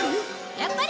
やっぱり！